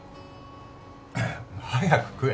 早く食え。